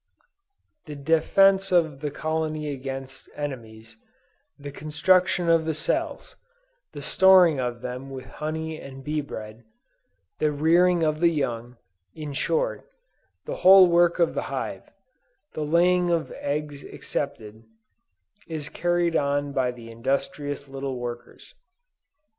The defence of the colony against enemies, the construction of the cells, the storing of them with honey and bee bread, the rearing of the young, in short, the whole work of the hive, the laying of eggs excepted, is carried on by the industrious little workers.